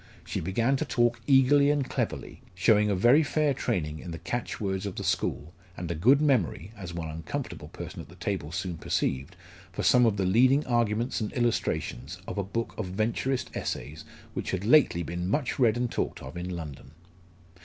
She began to talk eagerly and cleverly, showing a very fair training in the catch words of the school, and a good memory as one uncomfortable person at the table soon perceived for some of the leading arguments and illustrations of a book of Venturist Essays which had lately been much read and talked of in London.